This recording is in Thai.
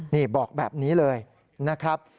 นี่บอกแบบนี้เลยนะครับ